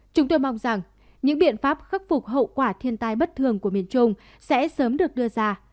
chúng tôi mong rằng những biện pháp khắc phục hậu quả thiên tai bất thường của miền trung sẽ sớm được đưa ra